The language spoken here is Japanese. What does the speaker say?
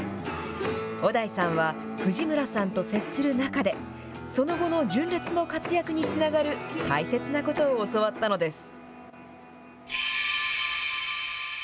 小田井さんは、藤村さんと接する中で、その後の純烈の活躍につながる大切なことを教わったのです。